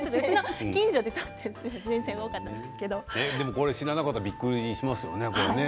でもこれ知らなかったらびっくりしますね。